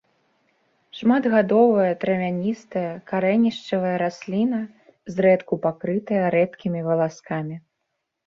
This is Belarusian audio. Шматгадовая травяністая карэнішчавая расліна, зрэдку пакрытая рэдкімі валаскамі.